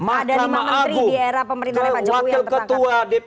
ada lima menteri di era pemerintah jokowi yang tertangkap